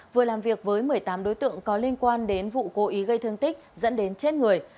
vừa làm việc với một mươi tám đối tượng có liên quan đến vụ cố ý gây thương tích dẫn đến chết người